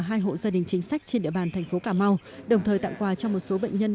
hai hộ gia đình chính sách trên địa bàn thành phố cà mau đồng thời tặng quà cho một số bệnh nhân